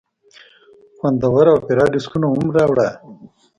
خوندور اوپيراډیسکونه هم راوړه.